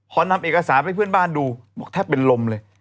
พอนำเอกสารให้เพื่อนบ้านดูบอกแทบเป็นลมเลย